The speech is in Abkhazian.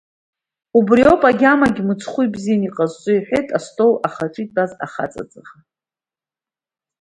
Убри ауп агьамагь мыцхәы ибзиан иҟазҵо, — иҳәеит астол ахаҿы итәаз ахаҵа ҵаӷа.